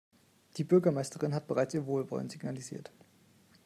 Die Bürgermeisterin hat bereits ihr Wohlwollen signalisiert.